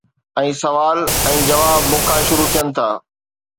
۽ سوال ۽ جواب مون کان شروع ٿين ٿا.